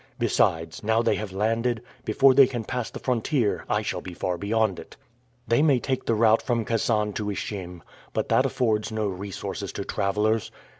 Besides, now they have landed, before they can pass the frontier I shall be far beyond it. They may take the route from Kasan to Ishim, but that affords no resources to travelers.